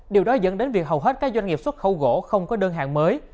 điều đó dẫn đến việc hầu hết các doanh nghiệp xuất khẩu gỗ không có đơn hàng mới